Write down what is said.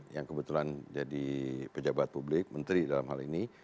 yang kebetulan jadi pejabat publik menteri dalam hal ini